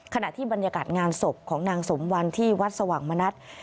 ขณะที่บรรยากาศงานศพของนางสมวันที่วัดสว่างมณัฐ